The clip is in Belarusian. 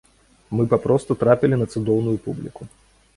Мы папросту трапілі на цудоўную публіку.